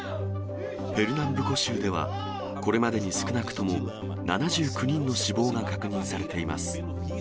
ペルナンブコ州では、これまでに少なくとも７９人の死亡が確認されています。